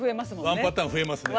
ワンパターン増えますね。